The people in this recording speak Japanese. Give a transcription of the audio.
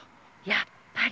やっぱり！